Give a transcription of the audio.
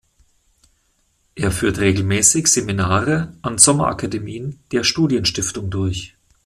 Er führt regelmäßig Seminare an Sommerakademien der Studienstiftung durch.